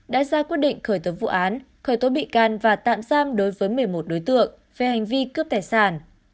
đã ra quyết định khởi tố vụ án khởi tố bị can và tạm giam đối với một mươi một đối tượng về hành vi cướp tài sản